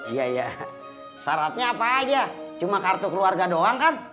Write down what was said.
iya ya syaratnya apa aja cuma kartu keluarga doang kan